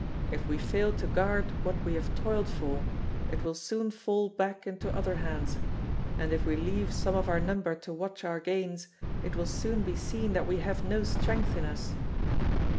If we fail to guard what we have toiled for, it will soon fall back into other hands, and if we leave some of our number to watch our gains, it will soon be seen that we have no strength in us.